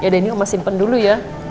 ya udah ini oma simpen dulu ya